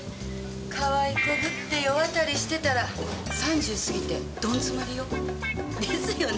かわい子ぶって世渡りしてたら３０過ぎてドン詰まりよ。ですよね？